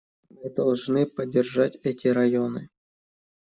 Мы должны поддержать эти районы.